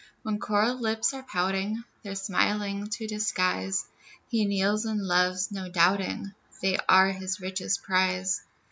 When coral lips are pouting, Their smiling to disguise, He kneels and loves, not doubting They are his richest prize.